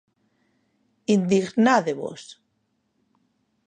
Indignádevos!